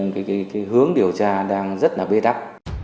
cái hướng điều tra đang rất là bê đắc